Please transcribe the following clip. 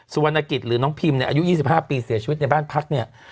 วรรณกิจหรือน้องพิมเนี่ยอายุ๒๕ปีเสียชีวิตในบ้านพักเนี่ย